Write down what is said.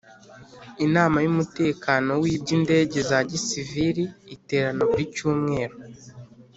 Inama y’Umutekano w’Iby indege za Gisivili iterana buri cyumweru